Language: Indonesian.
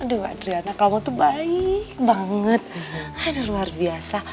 aduh andriana kamu tuh baik banget aduh luar biasa